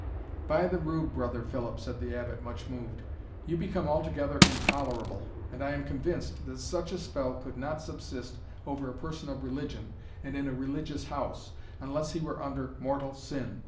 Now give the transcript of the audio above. "By the rood, Brother Philip," said the Abbot, much moved, "you become altogether intolerable! and I am convinced that such a spell could not subsist over a person of religion, and in a religious house, unless he were under mortal sin.